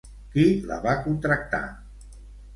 Qui la va contractar?